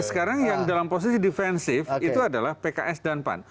sekarang yang dalam posisi defensif itu adalah pks dan pan